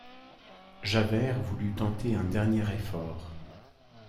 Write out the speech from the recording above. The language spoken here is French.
Javert voulut tenter un dernier effort.